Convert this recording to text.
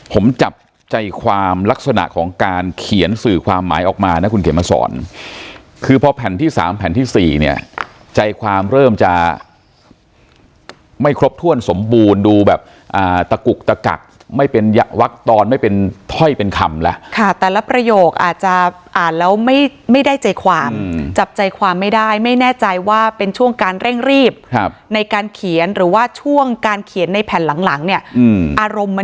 ผมจับใจความลักษณะของการเขียนสื่อความหมายออกมานะคุณเขียนมาสอนคือพอแผ่นที่สามแผ่นที่สี่เนี่ยใจความเริ่มจะไม่ครบถ้วนสมบูรณ์ดูแบบอ่าตะกุกตะกักไม่เป็นยักษ์วักตอนไม่เป็นถ้อยเป็นคำแล้วค่ะแต่ละประโยคอาจจะอ่านแล้วไม่ไม่ได้ใจความอืมจับใจความไม่ได้ไม่แน่ใจว่าเป็นช่วงการเร่งรีบ